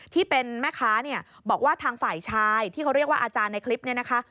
ที่เป็นแม่ค้าเนี่ยบอกว่าทางฝ่ายชายที่เขาเรียกว่าอาจารย์ในคลิปนี้นะคะ